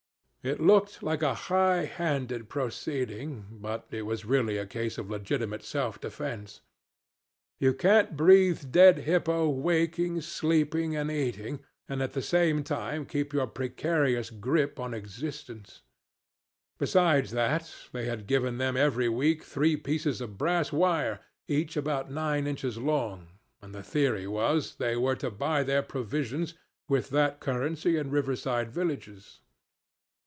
It looked like a high handed proceeding; but it was really a case of legitimate self defense. You can't breathe dead hippo waking, sleeping, and eating, and at the same time keep your precarious grip on existence. Besides that, they had given them every week three pieces of brass wire, each about nine inches long; and the theory was they were to buy their provisions with that currency in river side villages.